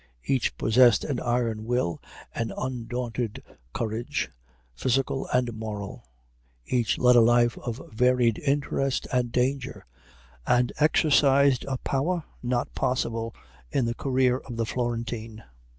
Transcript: Each possessed an iron will and undaunted courage, physical and moral; each led a life of varied interest and danger, and exercised a power not possible in the career of the Florentine.